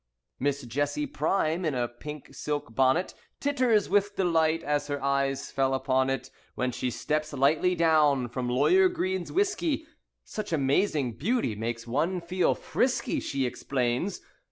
Miss Jessie Prime, in a pink silk bonnet, Titters with delight as her eyes fall upon it, When she steps lightly down from Lawyer Green's whisky; Such amazing beauty makes one feel frisky, She explains.